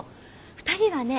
２人はね